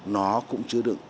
nó cũng chứa đựng